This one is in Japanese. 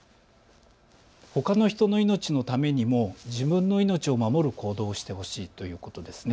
ほかの人の命のためにも自分の命を守る行動をしてほしいということです。